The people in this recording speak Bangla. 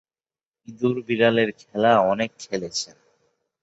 ইঁদুর-বিড়ালের খেলা অনেক খেলেছেন।